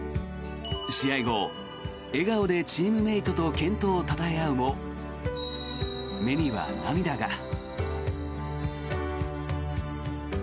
試合後、笑顔でチームメートと健闘をたたえ合うも目には涙が。